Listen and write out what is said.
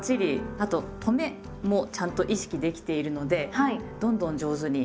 あととめもちゃんと意識できているのでどんどん上手になってきていますね。